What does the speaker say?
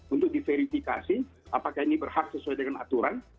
untuk diverifikasi apakah ini berhak sesuai dengan aturan